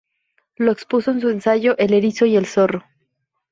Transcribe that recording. Lo expuso en su ensayo "El erizo y el zorro".